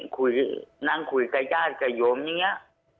คุยนั่งคุยกับญาติกับโยมอย่างนี้